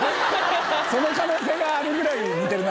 その可能性があるぐらいに似てるな。